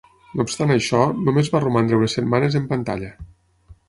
No obstant això, només va romandre unes setmanes en pantalla.